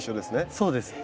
そうです。